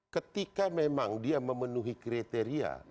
ketika memang dia memenuhi kriteria